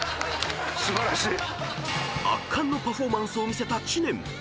［圧巻のパフォーマンスを見せた知念］